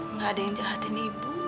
nggak ada yang jahatin ibu